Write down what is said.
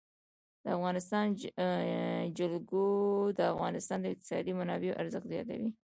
د افغانستان جلکو د افغانستان د اقتصادي منابعو ارزښت زیاتوي.